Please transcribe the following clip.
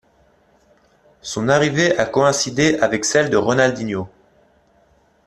Son arrivée a coïncidé avec celle de Ronaldinho.